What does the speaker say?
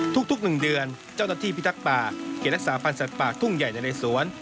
ทุก๑เดือนเจ้าหน้าที่พิทักษ์ป่าเขตรักษาพันธ์สัตว์ป่าทุ่งใหญ่ในเลสวน